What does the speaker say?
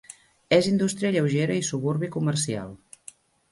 És indústria lleugera i suburbi comercial.